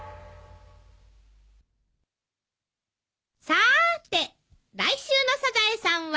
さーて来週の『サザエさん』は？